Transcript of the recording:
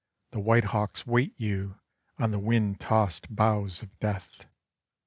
the white hawks wait you on the wind tossed boughs of death.